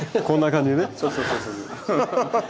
こんな感じ。